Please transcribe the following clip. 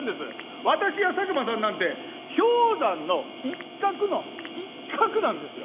私や佐久間さんなんて氷山の一角の一角なんですよ。